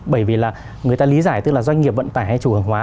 bởi vì là người ta lý giải tức là doanh nghiệp vận tải hay chủ hàng hóa